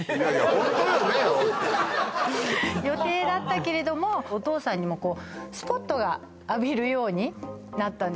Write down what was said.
ホントに予定だったけれどもお義父さんにもこうスポットが浴びるようになったんですよね